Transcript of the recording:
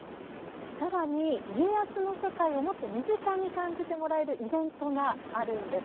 さらに家康の世界をもっと身近に感じてもらえるイベントがあるんです。